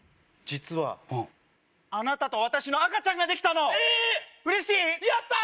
実はあなたと私の赤ちゃんができたのえーっ！